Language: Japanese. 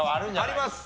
あります！